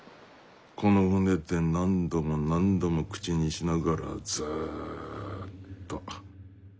この船で何度も何度も口にしながらずっと。